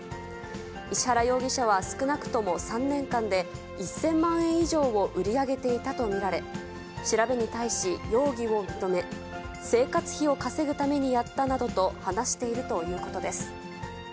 石原容疑者は少なくとも３年間で、１０００万円以上を売り上げていたと見られ、調べに対し容疑を認め、生活費を稼ぐためにやったなどと話しているということです。